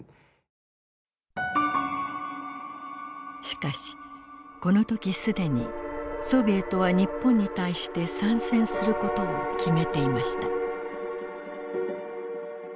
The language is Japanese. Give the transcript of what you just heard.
しかしこの時既にソビエトは日本に対して参戦することを決めていました。